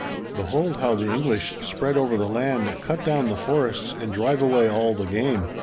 Behold how the English spread over the land, cut down the forests and drive away all the game!